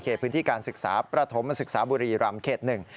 พื้นที่การศึกษาประถมศึกษาบุรีรำเขตหนึ่ง